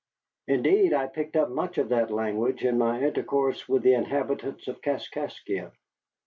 Indeed, I picked up much of that language in my intercourse with the inhabitants of Kaskaskia.